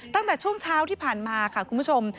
ตั้งแต่ช่วงเช้าที่ผ่านมาค่ะคุณผู้ชม